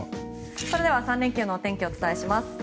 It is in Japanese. それでは３連休のお天気をお伝えします。